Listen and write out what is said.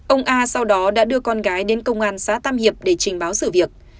ông a sau đó đã đưa con gái đến công an xã tham hiệp để trình báo xử việc